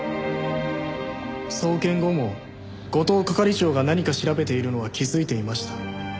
送検後も後藤係長が何か調べているのは気づいていました。